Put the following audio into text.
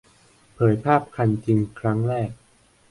เผยภาพคันจริงครั้งแรก